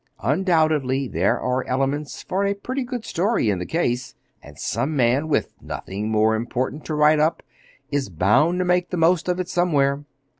Undoubtedly there are elements for a pretty good story in the case, and some man, with nothing more important to write up, is bound to make the most of it somewhere.